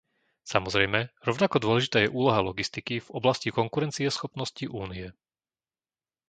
Samozrejme, rovnako dôležitá je úloha logistiky v oblasti konkurencieschopnosti Únie.